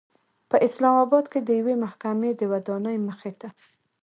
په اسلام آباد کې د یوې محکمې د ودانۍمخې ته